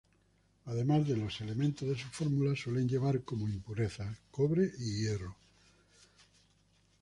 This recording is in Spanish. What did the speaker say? Además de los elementos de su fórmula, suele llevar como impurezas: cobre y hierro.